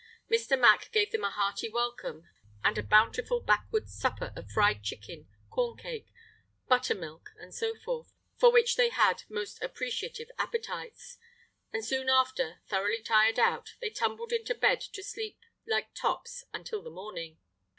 Mr. Mack gave them a hearty welcome and a bountiful backwoods supper of fried chicken, corn cake, butter milk, and so forth, for which they had most appreciative appetites; and soon after, thoroughly tired out, they tumbled into bed to sleep like tops until the morning.